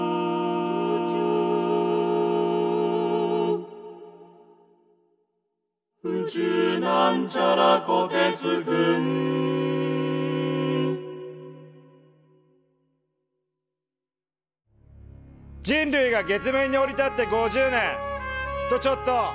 「宇宙」人類が月面に降り立って５０年とちょっと。